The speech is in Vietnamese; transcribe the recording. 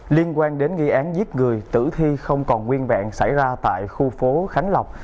liên quan đến gây án giết người tử thi không còn nguyên vẹn xảy ra tại khu phố khánh lộc